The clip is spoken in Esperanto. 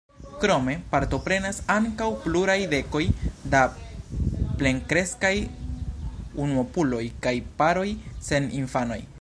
Krome partoprenas ankaŭ pluraj dekoj da plenkreskaj unuopuloj kaj paroj sen infanoj.